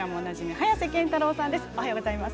早瀬憲太郎さんです。